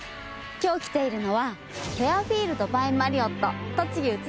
今日来ているのはフェアフィールド・バイ・マリオット・栃木宇都宮よ。